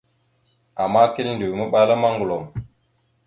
Ama kiləndew maɓala ma, ŋgəlom.